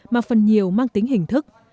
mà phần nhiều mang tính hình thức